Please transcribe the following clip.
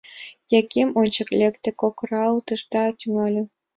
Яким ончык лекте, кокыралтыш да тӱҥале: